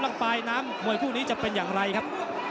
แล้วปลายน้ำมวยคู่นี้จะเป็นอย่างไรครับ